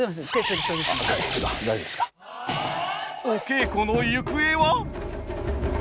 お稽古の行方は？